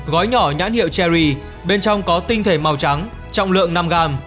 gói nhỏ nhãn hiệu cherry bên trong có tinh thể màu trắng trọng lượng năm gram